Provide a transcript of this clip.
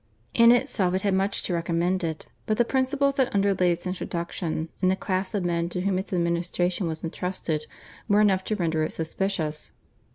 In itself it had much to recommend it, but the principles that underlay its introduction, and the class of men to whom its administration was entrusted, were enough to render it suspicious.